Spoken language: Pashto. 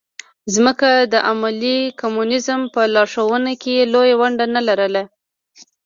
ځکه د عملي کمونیزم په لارښوونه کې یې لویه ونډه نه لرله.